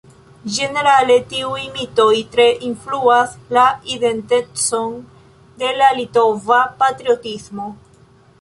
Ĝenerale tiuj mitoj tre influas la identecon de la litova patriotismo.